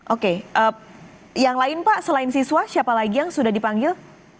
oke yang lain pak selain siswa siapa lagi yang sudah dipanggil